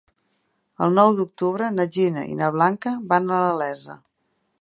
El nou d'octubre na Gina i na Blanca van a la Iessa.